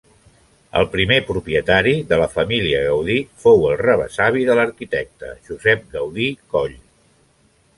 El primer propietari de la família Gaudí fou el rebesavi de l'arquitecte, Josep Gaudí Coll.